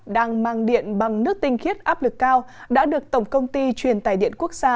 đang mang điện bằng nước tinh khiết áp lực cao đã được tổng công ty truyền tài điện quốc gia